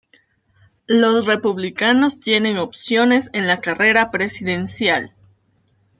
Los republicanos tienen opciones en la carrera presidencial